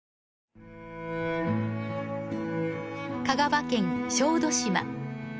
香川県小豆島。